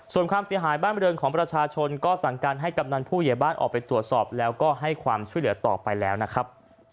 ส่วนความเสียหายบ้านบริเวณของประชาชนก็สั่งการให้กำนันผู้ใหญ่บ้านออกไปตรวจสอบแล้วก็ให้ความช่วยเหลือต่อไปแล้วนะครับ